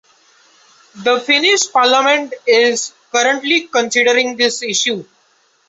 The Finnish parliament is currently considering this issue.